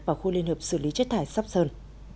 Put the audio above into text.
vào khu liên hợp xử lý chất thải sóc sơn